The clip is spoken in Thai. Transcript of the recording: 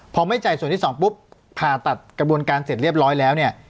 พอไม่จ่ายส่วนที่สองปุ๊บผ่าตัดกระบวนการเสร็จเรียบร้อยแล้วเนี่ย